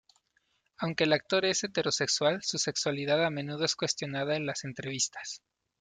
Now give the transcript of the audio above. Aunque el actor es heterosexual su sexualidad a menudo es cuestionada en las entrevistas.